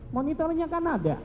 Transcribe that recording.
monitornya kan ada